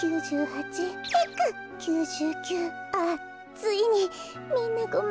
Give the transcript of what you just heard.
ついにみんなごめんね。